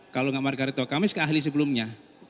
kalau enggak margarito kamis ke ahli sebelumnya